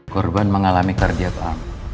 korban mengalami kardia pa